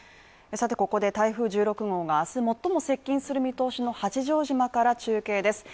さてここで台風１６号があす最も接近する見通しの八丈島から中継です。